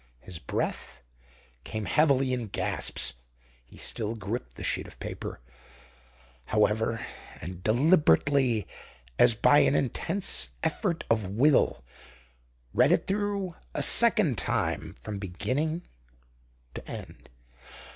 His breath came heavily in gasps. He still gripped the sheet of paper, however, and deliberately, as by an intense effort of will, read it through a second time from beginning to end.